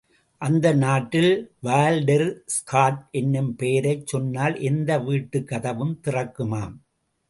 அந்த நாட்டில் Walter Scott என்னும் பெயரைச் சொன்னால் எந்த வீட்டுக் கதவும் திறக்குமாம்.